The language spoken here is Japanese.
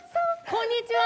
こんにちは。